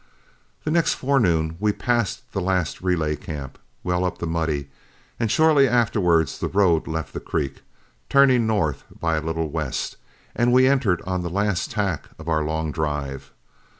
The next forenoon we passed the last relay camp, well up the Muddy, and shortly afterwards the road left that creek, turning north by a little west, and we entered on the last tack of our long drive.